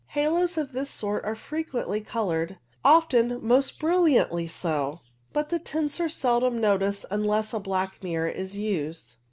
Halos of this sort are frequently coloured, often most brilliantly so ; but the tints are seldom noticed unless a black mirror is used.